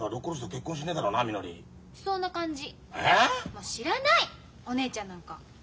もう知らないお姉ちゃんなんか。